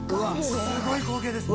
すごい光景です。